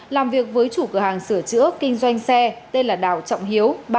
làm việc với chủ cửa hàng sửa chữa kinh doanh xe tên là đào trọng hiếu